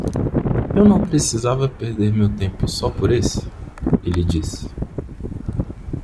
"Eu não precisava perder meu tempo só por esse?" ele disse.